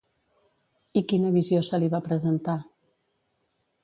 I quina visió se li va presentar?